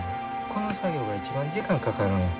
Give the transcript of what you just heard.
この作業が一番時間かかるんや。